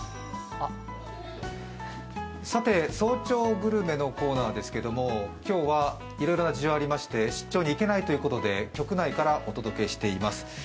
さて、早朝グルメのコーナーですけれど、今日はいろいろな事情がありまして出張に行けないということで局内からお届けしています。